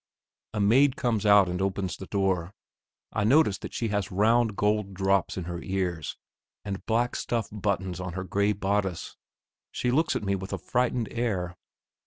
A maid comes out and opens the door. I notice that she has round, gold drops in her ears, and black stuff buttons on her grey bodice. She looks at me with a frightened air.